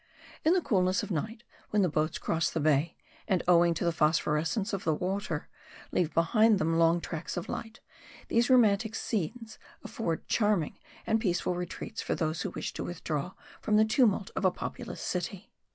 In the coolness of night, when the boats cross the bay, and owing to the phosphorescence of the water, leave behind them long tracks of light, these romantic scenes afford charming and peaceful retreats for those who wish to withdraw from the tumult of a populous city.